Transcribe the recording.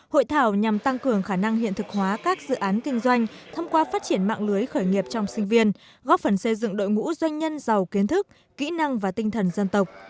hội thảo nhằm tăng cường khả năng hiện thực hóa các dự án kinh doanh thông qua phát triển mạng lưới khởi nghiệp trong sinh viên góp phần xây dựng đội ngũ doanh nhân giàu kiến thức kỹ năng và tinh thần dân tộc